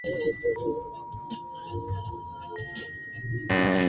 wanashambuliwa na marekani australia na mataifa mengine